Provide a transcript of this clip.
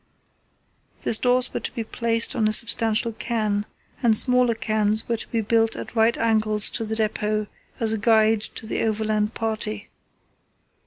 The stores were to be placed on a substantial cairn, and smaller cairns were to be built at right angles to the depot as a guide to the overland party.